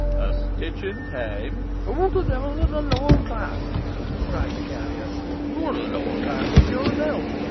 A stitch in time ' 'Who the devil ARE the lower classes?' cried the carrier. 'You are the lower classes yourself!